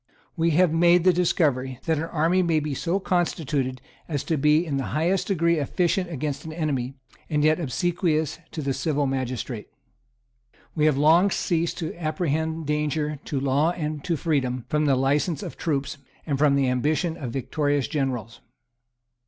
We have made the discovery, that an army may be so constituted as to be in the highest degree efficient against an enemy, and yet obsequious to the civil magistrate. We have long ceased to apprehend danger to law and to freedom from the license of troops, and from the ambition of victorious generals.